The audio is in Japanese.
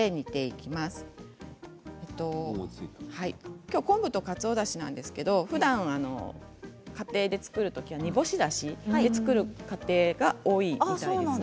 きょうは昆布とかつおだしですがふだんは家庭で作るときは煮干しだしで作る家庭が多いみたいですね。